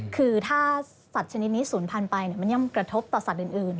คือถ้าสัตว์ชนิดนี้ศูนย์พันธุ์ไปมันย่อมกระทบต่อสัตว์อื่น